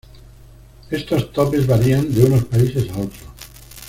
Estos topes varían de unos países a otros.